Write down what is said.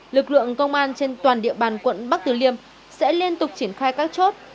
lực lượng công an trên toàn địa bàn quận bắc từ liêm sẽ liên tục triển khai các chốt